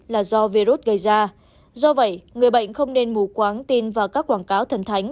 là do virus gây ra do vậy người bệnh không nên mù quáng tin vào các quảng cáo thần thánh